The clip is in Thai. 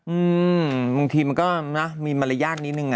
อืมบางทีมันก็นะมีมารยาทนิดนึงนะ